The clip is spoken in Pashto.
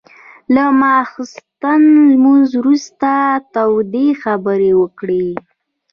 له ماخستن لمونځ وروسته تودې خبرې وکړې.